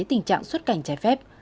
tình trạng xuất cảnh trái phép